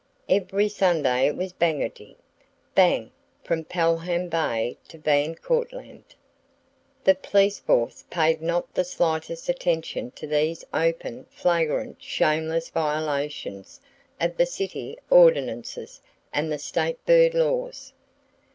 Every Sunday it was "bangetty!" "bang!" from Pelham Bay to Van Cortlandt. The police force paid not the slightest attention to these open, flagrant, shameless violations of the city ordinances and the state bird laws.